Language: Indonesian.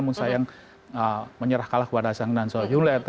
namun sayang menyerah kalah kepada sang nanzo yulet